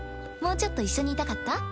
もうちょっと一緒にいたかった？